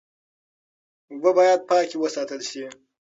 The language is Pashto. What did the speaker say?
اوبه باید پاکې وساتل شي.